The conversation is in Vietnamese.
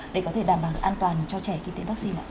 để có thể đảm bảo an toàn cho trẻ khi tiêm vaccine ạ